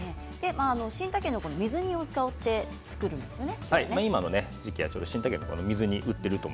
新たけのこの水煮を使って作るんですね。